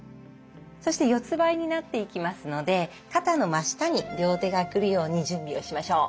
そして四つばいになっていきますので肩の真下に両手が来るように準備をしましょう。